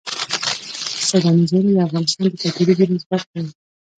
سیلاني ځایونه د افغانستان د کلتوري میراث برخه ده.